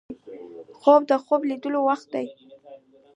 خوب د خوب لیدلو وخت دی